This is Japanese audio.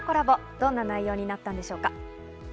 どんな内容になったのでしょうか。